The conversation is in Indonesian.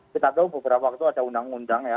kita tahu beberapa waktu ada undang undang ya